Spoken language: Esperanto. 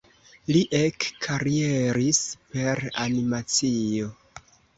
Li ekkarieris per animacio.